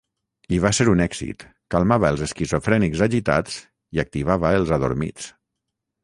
I va ser un èxit; calmava els esquizofrènics agitats i activava els adormits.